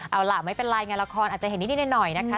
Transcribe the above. เอาล่ะไม่เป็นไรงานละครอาจจะเห็นนิดหน่อยนะคะ